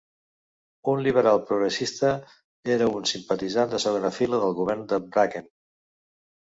Un liberal progressista, era un simpatitzant de segona fila del govern de Bracken.